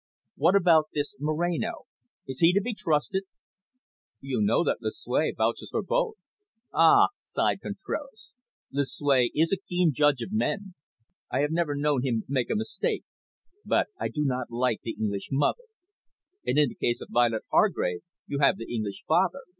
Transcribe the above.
What about this Moreno? Is he to be trusted?" "You know that Lucue vouches for both." "Ah!" sighed Contraras. "Lucue is a keen judge of men. I have never known him make a mistake. But I do not like the English mother." "And, in the case of Violet Hargrave, you have the English father.